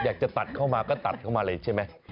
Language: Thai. อยากจะตัดเข้ามาก็ตัดเข้ามาเลยใช่ไหม